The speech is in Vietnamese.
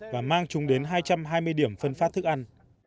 và mang chúng đến hai trăm hai mươi điểm phân phát thức ăn